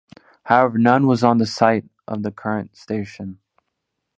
However, none was on the site of the current station.